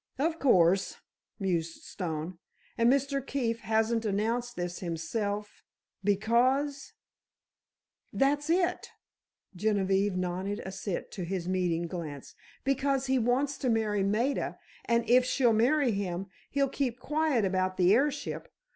"Of course," mused Stone. "And Mr. Keefe hasn't announced this himself—because——" "That's it," Genevieve nodded assent to his meaning glance. "Because he wants to marry Maida, and if she'll marry him, he'll keep quiet about the heirship.